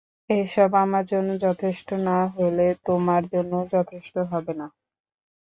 এসব আমার জন্য যথেষ্ট না হলে তোমার জন্যও যথেষ্ট হবে না।